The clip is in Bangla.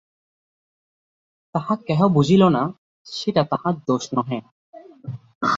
তা কেহ বুঝিল না, সেটা তাহার দোষ নহে।